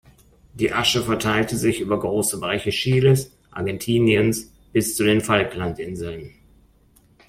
Die Asche verteilte sich über große Bereiche Chiles, Argentiniens bis zu den Falklandinseln.